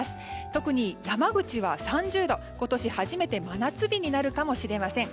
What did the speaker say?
特に山口は３０度、今年初めて真夏日になるかもしれません。